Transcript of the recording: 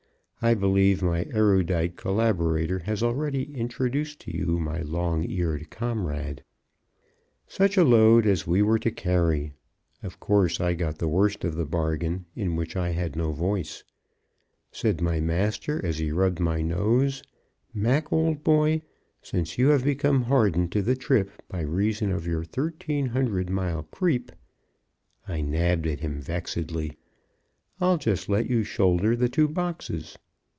I believe my erudite collaborator has already introduced to you my long eared comrade. Such a load as we were to carry! Of course, I got the worst of the bargain in which I had no voice. Said my master, as he rubbed my nose, "Mac, old boy, since you have become hardened to the trip by reason of your thirteen hundred mile creep (I nabbed at him vexedly), I'll just let you shoulder the two boxes."